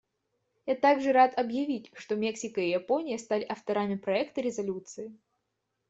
Я также рад объявить, что Мексика и Япония стали авторами проекта резолюции.